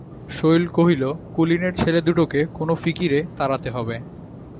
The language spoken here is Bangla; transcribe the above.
শৈল কহিল, কুলীনের ছেলে দুটোকে কোনো ফিকিরে তাড়াতে হবে।